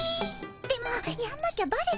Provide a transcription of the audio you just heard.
でもやんなきゃバレちゃう。